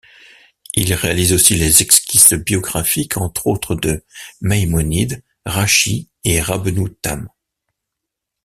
Il réalise aussi les esquisses biographiques, entre autres de Maïmonide, Rachi, et Rabbenou Tam.